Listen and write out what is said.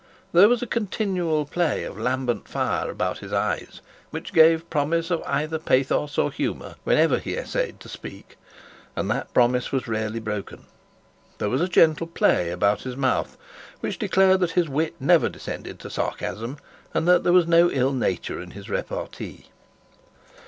There was a continual play of lambent fire about his eyes, which gave promise of either pathos or humour whenever he essayed to speak, and that promise was rarely broken. There was a gentle play about his mouth which declared that his wit never descended to sarcasm, and that there was no ill nature in his repartee.